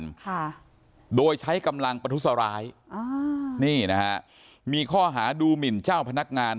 ค่ะโดยใช้กำลังประทุษร้ายอ่านี่นะฮะมีข้อหาดูหมินเจ้าพนักงาน